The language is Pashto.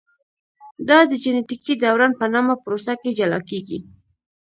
دا د جینټیکي دوران په نامه پروسه کې جلا کېږي.